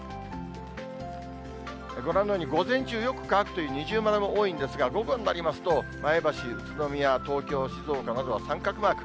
ご覧のように、午前中、よく乾くという二重丸が多いんですが、午後になりますと、前橋、宇都宮、東京、静岡などは三角マーク。